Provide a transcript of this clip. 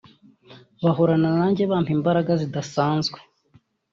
bahorana nanjye…bampa imbaraga zidasanzwe